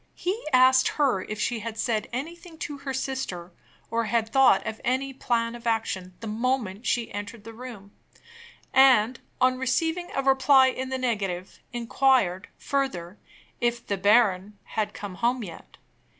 He asked her if she had said anything to her sister, or had thought of any plan of action, the moment she entered the room; and, on receiving a reply in the negative, inquired, further, if "the baron" had come home yet.